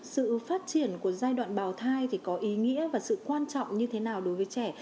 sự phát triển của giai đoạn bào thai thì có ý nghĩa và sự quan trọng như thế nào đối với trẻ